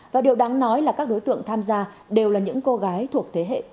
và điều đáng nói là các đối tượng tham gia đều là những cô gái thuộc thế hệ